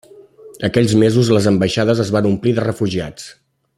Aquells mesos les ambaixades es van omplir de refugiats.